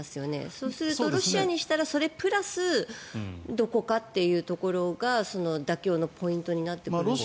そうするとロシアにしたらそれプラスどこかというところが妥協のポイントになってくるんじゃないですか？